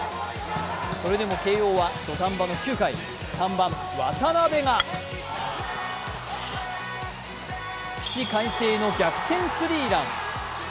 それでも慶応は土壇場の９回、３番・渡辺が起死回生の逆転スリーラン。